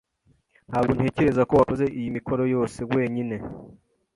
Ntabwo ntekereza ko wakoze iyi mikoro yose wenyine.